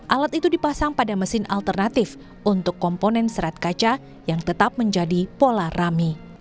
alat itu dipasang pada mesin alternatif untuk komponen serat kaca yang tetap menjadi pola rami